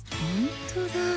ほんとだ